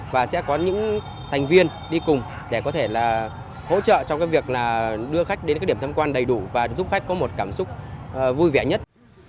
và sẽ có những thành viên đi cùng để có thể là hỗ trợ trong cái việc là đưa khách đến cái điểm thăm quan đầy đủ và giúp khách có một cảm xúc vui vẻ nhất